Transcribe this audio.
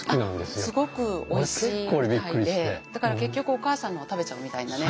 だから結局お母さんのを食べちゃうみたいなね。